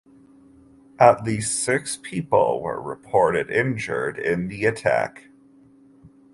At least six people were reported injured in the attack.